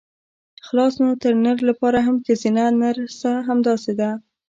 خلاص نو د نر لپاره هم ښځينه نرسه همداسې ده.